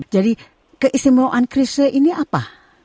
jadi keistimewaan kerisnya ini apa